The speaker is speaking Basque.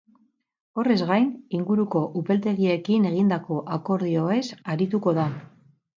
Horrez gain, inguruko upeltegiekin egindako akordioez arituko da.